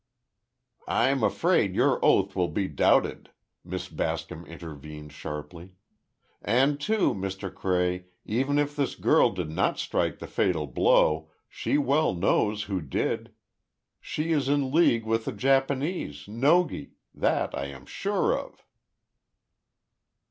"I'm afraid your oath will be doubted," Miss Bascom intervened sharply. "And, too, Mr. Cray, even if this girl did not strike the fatal blow, she well knows who did! She is in league with the Japanese, Nogi. That I am sure of!"